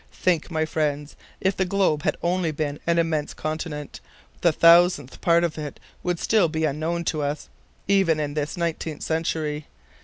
Think, my friends, if the globe had been only an immense continent, the thousandth part of it would still be unknown to us, even in this nineteenth century.